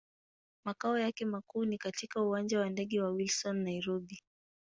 Makao yake makuu ni katika Uwanja wa ndege wa Wilson, Nairobi.